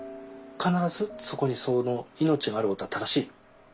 必ずそこにその命があることは正しい。